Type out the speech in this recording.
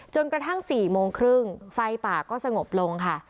จนกระทั่ง๔โมงครึ่งไฟป่าก็สงบลงค่ะ